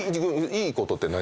いいことって何？